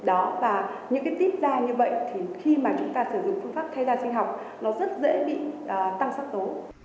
nó rất dễ bị tăng sắc tố